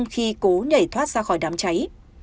khi cố nhảy thoát ra khỏi đám cháy